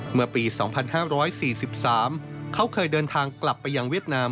เมื่อปี๒๕๔๓เขาเคยเดินทางกลับไปยังเวียดนาม